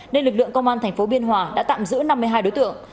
nên lực lượng công an tp biên hòa đã tạm giữ năm mươi hai đối tượng